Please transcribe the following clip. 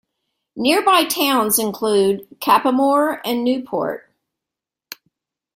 Nearby towns include Cappamore and Newport.